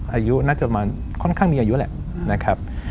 อายุน่าจะค่อนข้างมีอายุแหละนะครับ